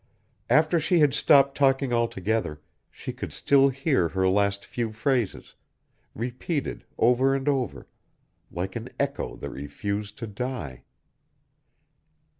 After she had stopped talking altogether, she could still hear her last few phrases, repeated over and over, like an echo that refused to die.